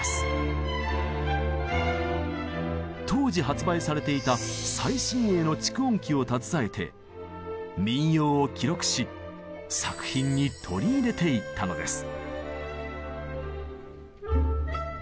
当時発売されていた最新鋭の蓄音機を携えて民謡を記録し作品に取り入れていったのです。